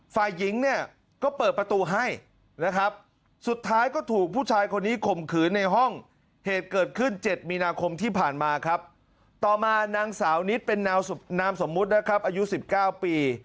ฝ่ายหญิงเนี่ยก็เปิดประตูให้นะครับสุดท้ายก็ถูกผู้ชายคนนี้ข่มขืนในห้องเหตุเกิดขึ้น๗มีนาคมที่ผ่านมาครับต่อมานางสาวนิดเป็นนามสมมุตินะครับอายุ๑๙ปี